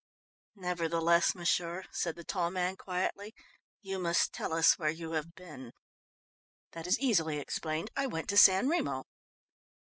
"Nevertheless, m'sieur," said the tall man quietly, "you must tell us where you have been." "That is easily explained. I went to San Remo."